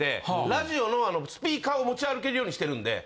ラジオのスピーカーを持ち歩けるようにしてるんで。